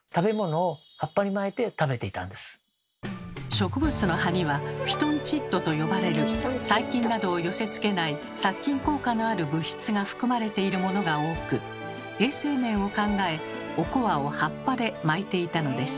植物の葉には「フィトンチッド」と呼ばれる細菌などを寄せつけない殺菌効果のある物質が含まれているものが多く衛生面を考えおこわを葉っぱで巻いていたのです。